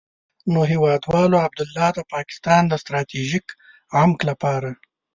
نو هېوادوالو، عبدالله د پاکستان د ستراتيژيک عمق لپاره.